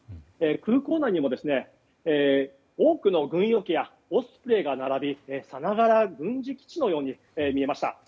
空港内には多くの軍用機やオスプレイが並びさながら軍事基地のように見えました。